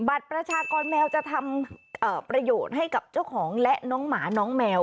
ประชากรแมวจะทำประโยชน์ให้กับเจ้าของและน้องหมาน้องแมว